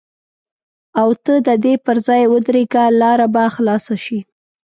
او ته د دې پر ځای ودرېږه لاره به خلاصه شي.